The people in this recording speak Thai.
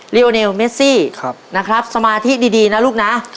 เรียอนิเอวเมสซี่นะครับสมาธิดีนะลูกนะ